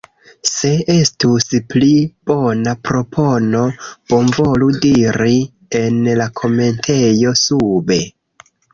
Se estus pli bona propono, bonvolu diri en la komentejo sube.